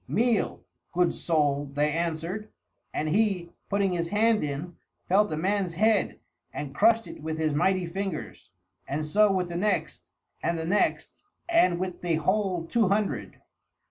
"Meal, good soul," they answered; and he, putting his hand in, felt a man's head and crushed it with his mighty fingers, and so with the next and the next and with the whole two hundred.